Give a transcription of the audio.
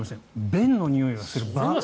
便のにおいがする。